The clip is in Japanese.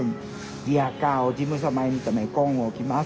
リヤカーを事務所前に止めコーンを置きます。